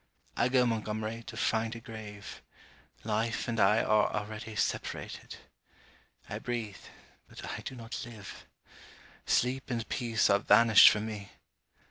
I go, Montgomery, to find a grave. Life and I are already separated! I breathe: but I do not live! Sleep and peace are vanished from me!